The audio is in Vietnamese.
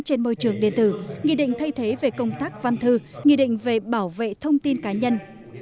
trên môi trường điện tử nghị định thay thế về công tác văn thư nghị định về bảo vệ thông tin cá nhân